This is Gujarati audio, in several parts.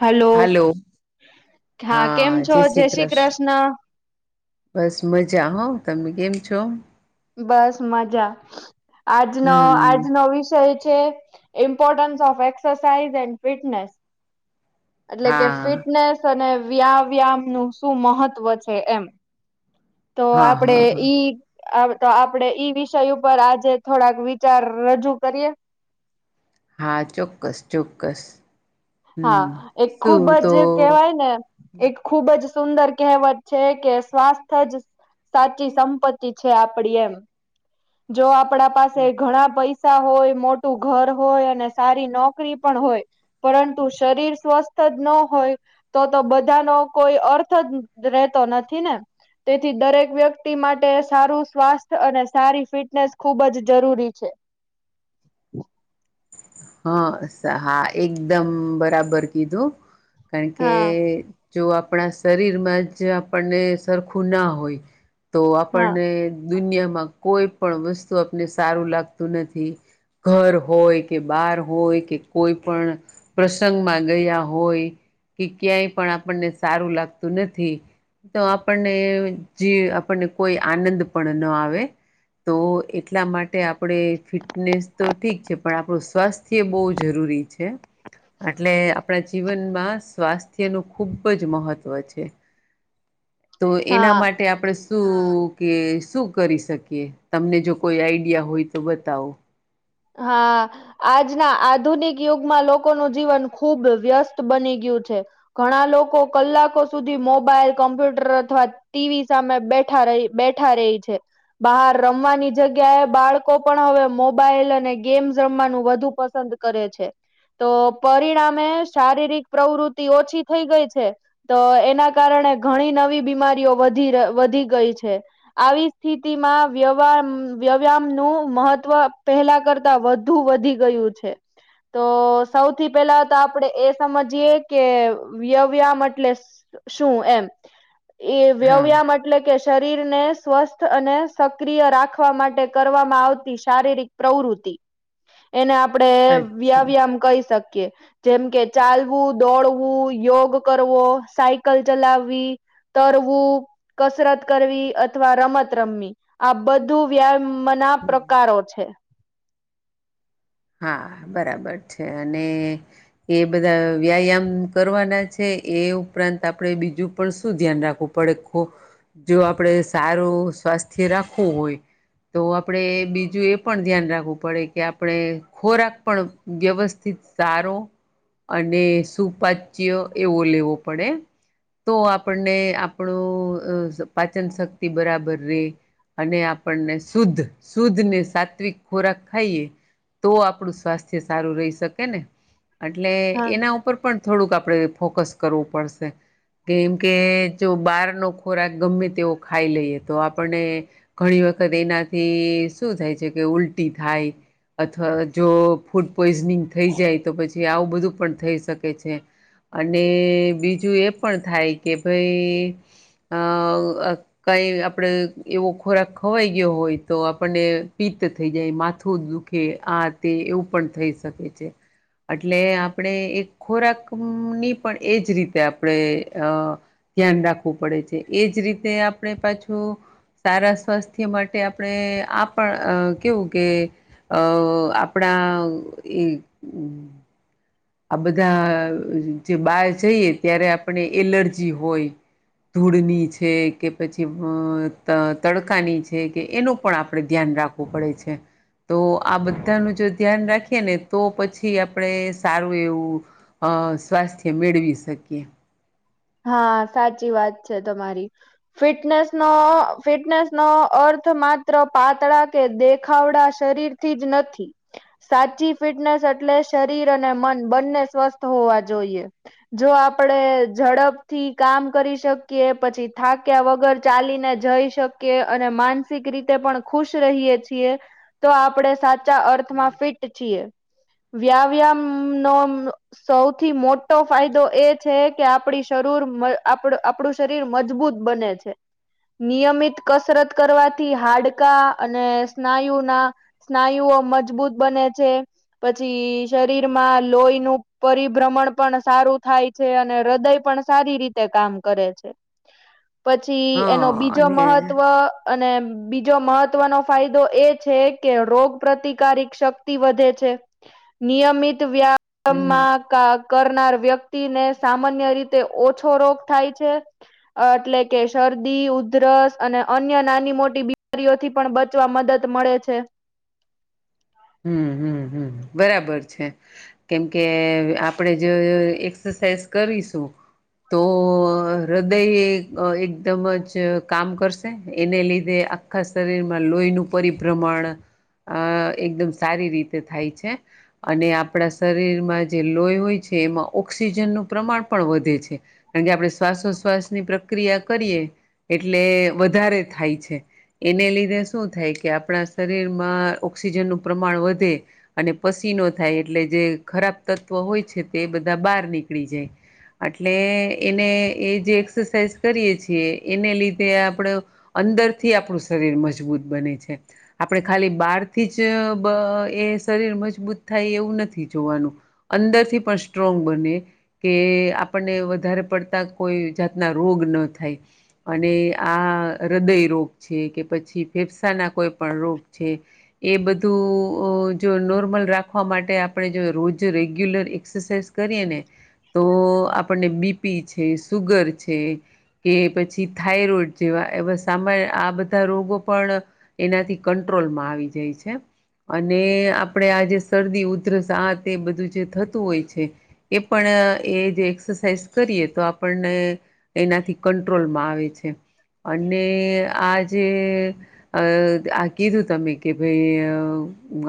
હલો. હાલો હા કેમ છો, જય શ્રી કૃષ્ણ બસ મજા હો, તમે કેમ છો. બસ, મજા આજનો હમ આજનો વિષય છે. Importance, of exercise and fitness એટલે કે હા ફિટનેસ અને વ્યાયામ નું શું મહત્વ છે, એમ તો હા આપડે હા હા ઈ આ, તો આપડે ઈ વિષય ઉપર આજે થોડાક વિચાર રજૂ કરીય. હા, ચોક્કસ ચોક્કસ હા, હમ એક શું ખુબજ તો કેહેવાય, ને એક ખૂબજ સુંદર કહેવત છે, કે સ્વાસ્થ્ય જ સાચી સંપત્તિ છે આપડી એમ જો આપણા પાસે ઘણા પૈસા હોય મોટું ઘર હોય અને સારી નોકરી પણ હોય પરંતુ શરીર સ્વસ્થ ન હોય તો તો બધાનો કોઈ અર્થ જ રેતો નથી ને. તેથી દરેક વ્યક્તિ માટે સારું સ્વાસ્થ્ય અને સારી ફિટનેસ ખુબ જ જરૂરી છે. હા- હા એકદમ બરાબર કીધું. કારણ કે હા જો આપણા શરીરમાં જ આપણને સરખું ના હોય તો હા આપણને દુનિયામાં કોઈ પણ વસ્તુ આપને સારું લાગતું નથી ઘર હોય કે બાર હોય કે કોઈ પણ પ્રસંગમાં ગયા હોય. કે ક્યાંય પણ આપણને સારું લાગતું નથી તો આપણને જે આપણને કોઈ આનંદ પણ ન આવે તો એટલા માટે આપણે ફિટનેસ તો ઠીક છે પણ આપણું સ્વાસ્થ્ય બહુ જરૂરી છે. એટલે આપણા જીવનમાં સ્વાસ્થ્યનું ખૂબ જ મહત્ત્વ છે. [inaudible] તો એના હા માટે આપણે શું કે શું કરી શકીએ તમને જો કોઈ આઈડિયા હોય તો બતાવો? હા આજના આધુનિક યુગમાં લોકોનું જીવન ખુબ વ્યસ્ત બની ગયું ઘણા લોકો કલાકો સુધી મોબાઈલ કોમ્પ્યુટર અથવા ટીવી સામે બેઠ ર બેઠા રહી છે બહાર રમવાની જગ્યાએ બાળકો પણ હવે મોબાઈલ અને ગેમ રમવાનું વધુ પસંદ કરે છે. તો પરિણામે શારીરિક પ્રવૃત્તિ ઓછી થઈ ગઈ છે. તો એના કારણે ઘણી નવી બીમારીઓ વધી ગઈ છે. આવી સ્થિતિમાં વ્યહાર વ્યાયામ નું મહત્વ પહેલા કરતા વધુ વધી ગયું છે. તો સૌથી પેલા તો આપણેે એ સમજીએ કે વ્યાયામ એટલે શું એમ એ હા વ્યવયામ એટલે કે શરીરને સ્વસ્થ અને સક્રિય રાખવા માટે કરવામાં આવતી શારીરિક પ્રવૃત્તિ. એને આપડે અચ્છા વ્યાવ્યામ કહી શકીએ. જેમ કે ચાલવું દોડવું યોગ કરવો સાયકલ ચલાવી તરવું, કસરત કરવી અથવા રમત રમવી આ બધું વ્યામ મ ના હમ પ્રકારો છે. હા બરાબર છે. અને એ બધા વ્યાયામ કરવાના છે. એ ઉપરાંત આપણેે બીજું પણ શું ધ્યાન રાખવું પડે જો આપડે સારું સ્વાસ્થ્ય રાખવું હોય તો આપણે બીજું એ પણ ધ્યાન રાખવું પડે કે આપણે ખોરાક પણ વ્યવસ્થિત સારો અને સુપાચ્ય એવો લેવો પડે. તો આપણને આપણો પાચન શક્તિ બરાબર રે. અને આપણને શુદ્ધ -શુદ્ધ ને સાત્વિક ખોરાક ખાઈએ તો આપણું સ્વાસ્થ્ય સારું રહી શકે ને એટલે હા એના ઉપર પણ થોડુંક આપણે ફોકસ કરવું પડશે. કેમ કે જો બહારનોો ખોરાક ગમે તેવ ખાઈ લઈએ તો આપણને ઘણી વાર વખત એનાથી શું થાય છે કે ઉલટી થાય અથવા જો ફૂડ પોઈઝનિંગ થઈ જાય તો પછી આવું બધું પણ થઈ શકે છે. અને બીજું એ પણ થાય કે ભાઈ અ કઈ આપડ એવો ખોરાક ખવાઈ ગયો હોય તો આપણને પ થઈ જાય માથું દુખે આ તે એવું પણ થઈ શકે છે. એટલે આપણે એક ખોરાક ની પણ એજ રીતે આપણે અ ધ્યાન રાખવું પડે છે. એજ રીતે આપણેે પાછું સારા સ્વાસ્થ્ય માટે આપણે આ પણ કેવું કે અ આપણા એ આ બધા જે બાર જઈએ ત્યારે આપણે એલર્જી હોય. ધૂળની છે કે પછી હ ત તડકાની છે કે એનું પણ આપડે ધ્યાન. રાખવું પડે છે તો આ બધાનું જો ધ્યાન રાખીએ ને તો પછી આપણેે. સારું એવું અ સ્વાસ્થ્ય મેળવી શકીએ. હા સાચી વાત છે તમારી ફિટનેસ નો ફિટનેસ નો અર્થ. માત્ર પાતળા કે દેખાવડા શરીરથી જ નથી સાચી ફિટને એટલે શરીર અને મન બંને સ્વસ્થ હોવા જોઈએ જો આપણે ઝડપ. થી કામ કરી શકીએ પછી થાક્યા વગર ચાલીને જઈ શકીએ અને માન સિક રીતે પણ ખુશ રહીએ છીએ તો આપણે સાચા અર્થમાં ફિટ છીએ. વ્યાવ્યામ નો સૌથી મોટો ફાયદો એ છે કે આપડી. શરુર મ આપડે આપડુ શરીર મજબૂત બને છે. નિયમિત કસરત કરવાથી હાડકા અને સ્નાયુના સ્નાયુ. ઓ મજબૂત બને છે. પછી શરીરમાં લોહી નું પરિભ્રમણ પણ સારું થાય છે અને હૃદય પણ. સારી રીતે કામ કરે છે. પછી એનો હા બીજો અને મહત્વ અને બીજો મહત્વનો ફાયદો એ છે કે રોગ પ્રતિકારિક શક્તિ વધે છે. નિયમિત હમ વ્યામાં કરનાર વ્યક્તિને સામાન્ય રીતે ઓછો રોગ થાય છે અ એટલે કે શરદી ઉધરસ અને અન્ય નાની. મોટી બીમારીઓથી પણ બચવા મદદ મળે છે. હમ હમ હમ. બરાબર છે કેમકે આપણેે જો એક્સરસાઇઝ કરીશું. તો હૃદય એકદમ જ કામ કરશે એને લીધે. આખા શરીરમાં લોહીનું પરિભ્રમણ. એકદમ સારી રીતે થાય છે અને આપણા શરીરમાં જે લોહી હોય છે એમાં ઓક્સ. ક્સિજનનું પ્રમાણ પણ વધે છે કારણ કે આપણે શ્વાસોશ્વાસની પ્રક્રિયા કરીએ. એટલે વધારે થાય છે. એને લીધે શું થાય કે આપણા શરીરમાં. ઓક્સિજનનું પ્રમાણ વધે અને પસીનો થાય એટલે જે ખરાબ તત્વ હોય છે તે બધા. બહાર નીકળી જાય. એટલે એને એ જે એક્સરસાઇઝ કરીએ છીએ એને લીધે આપડે. અંદર થી આપણું શરીર મજબૂત બને છે આપણે ખાલી બાર થી જ બ એ શરીર મજબૂત થાય એવું નથી જોવાનું અંદરથી પણ સ્ટ્રોંગ. બને કે આપણને વધારે પડતા કોઈ જાતના રોગ ન થાય. અને આ હૃદય રોગ છે કે પછી ફેફસા ના કોઈ પણ રોગ છે. એ બધું અ જો નોર્મલ રાખવા માટે આપણે જો રોજ રેગ્યુલર એક્સરસાઇઝ કરી ને તો આપણને બીપી છે સુગર છે. કે પછી થાઈરોઈડ જેવા એવા સામાન આ બધા રોગો પણ એનાથી કંટ ટ્રોલમાં આવી જાય છે. અને આપણેે આ જે શરદી ઉધરસ આ તે એ બધું જે થતું હોય છે એ પણ એ જે એક્સરસાઇઝ કરીએ તો આપણને એનાથી કંટ્રોલ માં આવે છે. અને આજે અ આ કીધું તમે કે ભાઈ અ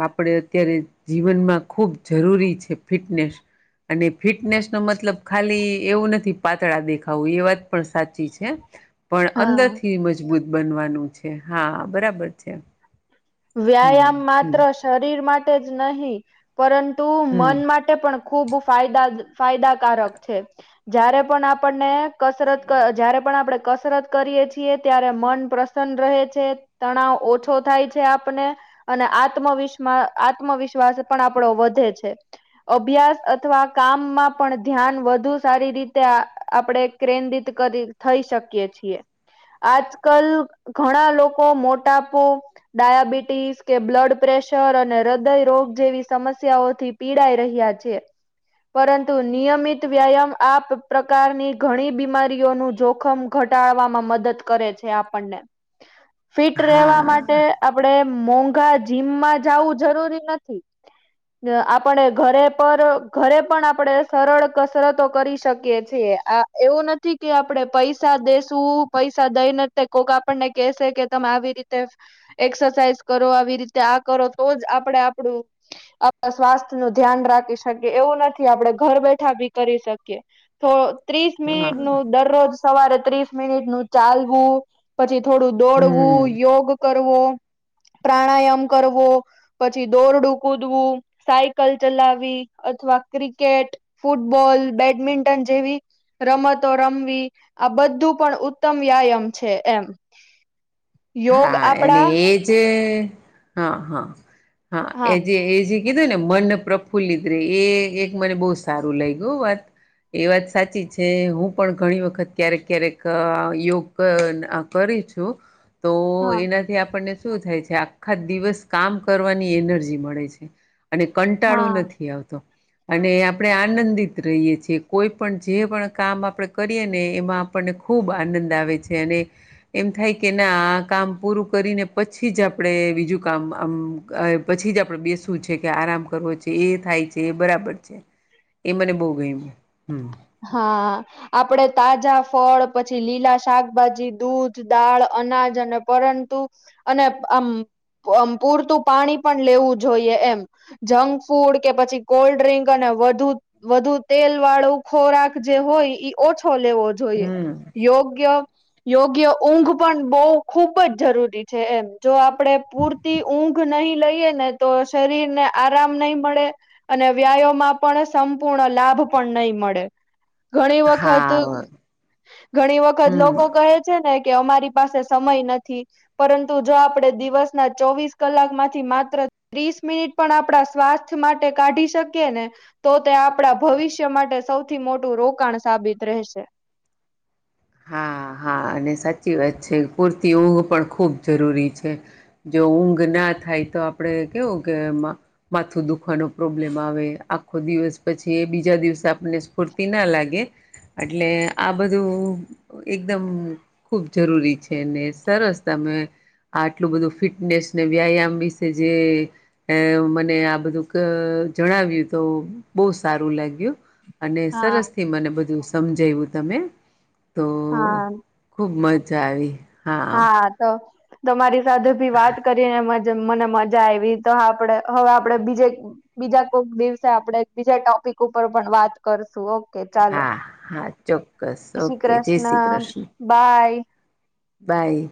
આપણે અત્યારે જીવનમાં ખૂબ જરૂરી છે ફિટનેસ અને ફિટનેસ નો મતલબ ખાલી એવું નથી પાતળા દેખાવું એ વાત પણ સાચી છે પણ હા અંદર થી મજબૂત બનવાનું છે હા બરાબર છે. હમ. વ્યાયામ હમ માત્ર શરીર માટે જ નહી પરંતુ હમ મન માટે પણ ખૂબ ફાયદા જ ફાયદાકારક છે જયારે પણ આપણને કસરત ક જયારે પણ આપડે કસરત કરીએ છીએ ત્યારે મન પ્રસન્ન રહે છે તણાવ ઓછો થાય છે. આપને અને આત્મવીશમાં આત્મવિશ્વાસ પણ આપણો વધે છે. અભ્યા અભ્યાસ અથવા કામમાં પણ ધ્યાન વધુ સારી રીતે આપણે ક્રેન્દિત કરી થઈ શકીએ છીએ આજ કલ ઘણા લોકો મોટાપો ડાયાબિટીસ કે બ્લડ પ્રેશર અને હૃદય રોગ જેવી સમસ્યાઓથી પીડાાય રહ્યા છે. પરંતુ નિયમિત વ્યાયામ આ પ્રકારની ઘણી બીમારીઓનું જોખમ ઘ ઘટાવામાં મદદ કરે છે આપણને ફિટ રેહવા માટે, હા આપણે મોંઘા જીમમાં જાવું જરૂરી નથી. અ આપણે ઘરે પર ઘરે પણ આપડે સરળ કસરતો કરી શકીએ છીએ. આ એવું નથી કે આપડે પૈસા દેશું પૈસા દઈને તે કોક આપણને કેહસે કે ત- માં આવી રીતે. એક્સસાઇઝ કરો આવી રીતે આ કરો તો જ આપડે આપડું આપડા સ્વાસ્થ્ય નું ધ્યાન રા રાખી શકીએ એવું નથી આપડે ઘર બેઠા ભી કરી શકીએ તો ત્રીસ હા મિનિટ નું દરરોજ સવારે ત્રીસ મિનિટ નું ચાલવું પછી થોડું દોડવું, હમ. યોગ કરવો. પ્રાણાયામ કરવો પછી દોરડું કૂદવું, સાયકલ ચલાવી અથવા ક્રિકેટ, ફૂટબોલ, બેડમિન્ટન જેવી રમતો રમવી આ બધું પણ ઉત્તમ વ્યાયમ છે એમ. યોગ હા અને આપડા એ જે હા, હા, હા એજે, એજે કીધું ને મન પ્રફુલ્લિત રે એ એક મને બઉ સારું લાઇગુ હો વાત એ વાત સાચી છે, હું પણ ઘણી વખત ક્યારેક ક્યારેક અ યોગ અ કરી થી છું. તો હા એનાથી આપણે શું થાય છે આખા દિવસ કામ કરવાની એનર્જી મળે છે. અને કંટાળો હા નથી આવતો. અને આપણે આનંદિત રહીએ છીએ કોઈ પણ જે પણ કામ આપણે કરીએ ને એમાં આપણને ખૂબ આનંદ આવે છે અને એમ થાય કે ના આ કામ પૂરું કરીને પછી જ આપણેે બીજું કામ આમ પછી જ આપડે બેસવું છે કે આરામ કરવો છે એ થાય છે એ બરાબર છે એ મને બઉ ગઇમુ. હા આપડે તાજા ફળ પછી લીલા શાકભાજી, દૂધ, દાળ, અનાજ અને પરંતુ અને અમ અ પૂરતું પાણી પણ લેવું જોઈએ એમ જંક ફૂડ કે પછી કોલ્ડ ડ્રિંક અને વધુ, વધુ તેલ વાળું ખોરાક જે હોય ઈ ઓછો લેવો જોઈએ હમ યોગ્ય યોગ્ય ઊંઘ પણ બઉ ખુબ જ જરૂરી છે. એમ જો આપ આપડે પૂરતી ઊંઘ નહીં લઈએ ને તો શરીર ને આરામ નહી મળે અને વ્યાયો માં પણ સંપૂર્ણ લાભ [unintelligible] પણ નહીં મળે. [unintelligible] ઘણી વખત, હા ઘણી વખત હમ લોકો કહે છે ને કે અમારી પાસે સમય નથી પરંતુ જો આપડે દિવસના ચોવીસ કલાક માંથી માત્ર ત્રીસ મિનિટ પણ આપણા સ્વાસ્થ્ય માટે કાઢી શકીએ ને તો તે આપડા ભવિષ્ય માટે સૌ થી મોટું રોકાણ સાબિત રહેશે. હા, હા અને સાચી વાત છે પુરતી ઊંઘ પણ ખૂબ જરૂરી છે જો તો ઊંઘ ના થાય તો આપડે કેવું કે મા માથું દુખવાનો પ્રોબ્લેમ આવે આખો દિવસ પછી એ બીજા દિવસે આપણને સ્ફૂર્તિ ના લાગે અટલે આ બધું એકદમ ખૂબ જરૂરી છે ને સરસ તમે આ આટલું બધું ફિટનેસ ને વ્યાયામ વિશે જે અ મને આ બધું ક જણાવ્યું તો બઉ સારું લાગ્યું. અને હા. સરસથી મને બધું સમજાઈવું તમે તો હા ખૂબ મ ચા આવી. હા, તો તમારી સાથે ભી વાત કરીને મ જેમ મને મજા આવી, તો આપડે હવે આપડે બીજે બીજા કોઈક દિવસે આપડે બીજા ટોપ પીક ઉપર પણ વાત કરશું, ઓ કે ચાલો, હા હા ચોક્કસ જય શ્રી ઓકે જય શ્રી કૃષ્ણ, બાય બાય